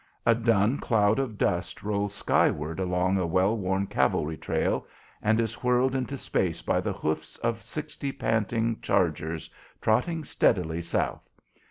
A dun cloud of dust rolls skyward along a well worn cavalry trail, and is whirled into space by the hoofs of sixty panting chargers trotting steadily south.